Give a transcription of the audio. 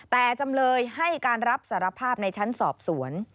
แต่จำเลยให้การรับสารภาพในชั้นสอบสวน